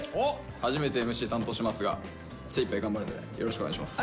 初めてＭＣ担当しますが精いっぱい頑張るのでよろしくお願いします。